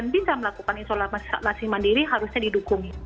bisa melakukan isolasi mandiri harusnya didukung